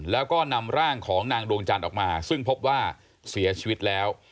แล้วก็นำร่างของนางดวงจันทร์ออกมาซึ่งพบว่าเสียชีวิตแล้ว